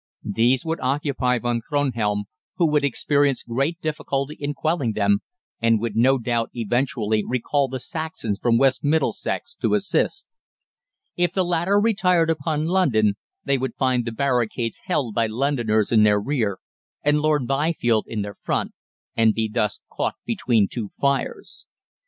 These would occupy Von Kronhelm, who would experience great difficulty in quelling them, and would no doubt eventually recall the Saxons from West Middlesex to assist. If the latter retired upon London they would find the barricades held by Londoners in their rear and Lord Byfield in their front, and be thus caught between two fires.